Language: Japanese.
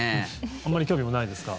あんまり興味もないですか？